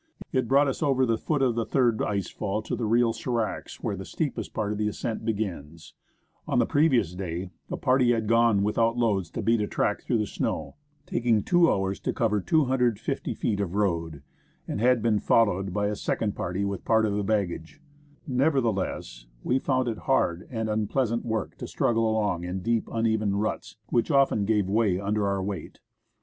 It brought us over the foot of the third ice fall to the real sdracs, where the steepest part of the ascent begins. On the previous day a party had gone without loads to beat a track through the snow, taking two hours to cover 250 feet of road, and SOUTH WALL or NEW ION .GLACIER, AND THE SAVOIA GLACIER AT ITS CONFLrENCIC Willi THE NEWTON. had been followed, by. a second party with part of the baggage. Nevertheless, wc found it hard and unpleasant work to struggle along in deep, uneven ruts, which often gave way under our weight.